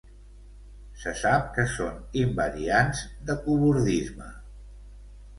Se sap que són invariants de cobordisme.